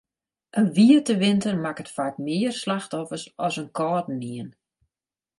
In wiete winter makket faak mear slachtoffers as in kâldenien.